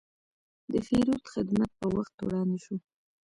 د پیرود خدمت په وخت وړاندې شو.